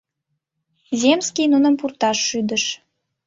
Земский нуным пурташ шӱдыш.